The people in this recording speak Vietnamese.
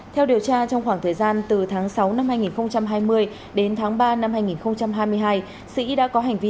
theo điều tra trong khoảng thời gian từ tháng sáu năm hai nghìn hai mươi đến tháng ba năm hai nghìn hai mươi hai sĩ đã có hành vi